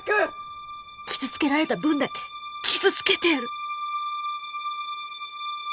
傷つけられた分だけ傷つけてやる！